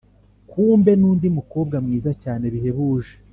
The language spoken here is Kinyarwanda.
kumbe nundi mukobwa mwiza cyane bihebuje,